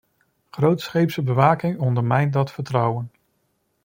Grootscheepse bewaking ondermijnt dat vertrouwen.